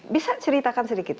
bisa ceritakan sedikit